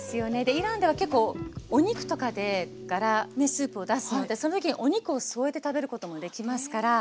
イランでは結構お肉とかでガラスープを出すのでその時にお肉を添えて食べることもできますから。